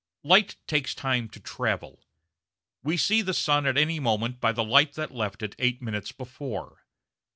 Light takes time to travel. We see the sun at any moment by the light that left it 8 minutes before.